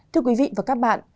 thưa quý vị và các bạn